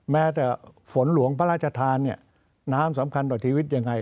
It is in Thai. แม้แต่ฝนหลวงพระราชธานน้ำสำคัญต่อทีวิทย์ยังไง